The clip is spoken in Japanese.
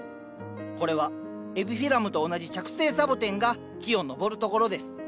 これはエピフィラムと同じ着生サボテンが木を登るところです。